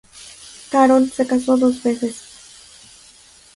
Carroll se casó dos veces.